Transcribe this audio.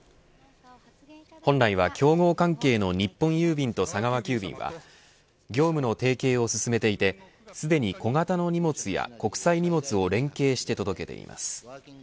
本来は競合関係の日本郵便と佐川急便は業務の提携を進めていてすでに小型の荷物や国際荷物を連携して届けています。